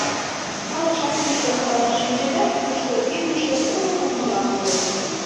Калыкшат тушто сай: шинчеда, тушто ӱҥышӧ, поро кумылан улыт.